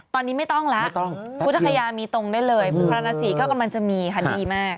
ตอนนี้ไม่ต้องแล้วพุทธคยามีตรงได้เลยพระราศีก็กำลังจะมีค่ะดีมาก